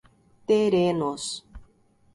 Terenos